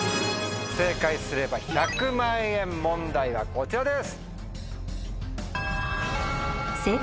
正解すれば１００万円問題はこちらです。